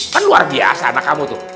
kan luar biasa anak kamu tuh